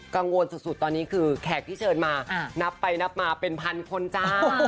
ก็นี่คือแขกที่เชิญมานับไปนับมาเป็นพันคนจ้ะ